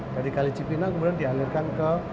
dari kali cipinang kemudian dialirkan ke